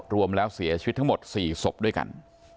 รวมแล้วเสียชีวิตทั้งหมด๔ศพด้วยกัน